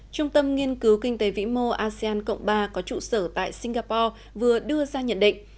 trung tâm nghiên cứu kinh tế vĩ mô asean cộng ba có trụ sở tại singapore vừa đưa ra nhận định